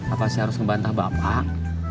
apa saya harus ngebantah bapak